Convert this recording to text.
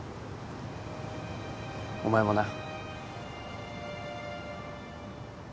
お前もな。